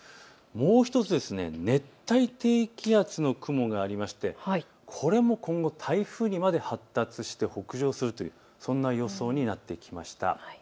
もう１つ熱帯低気圧の雲がありましてこれも今後、台風にまで発達して北上するという、そんな予想になってきました。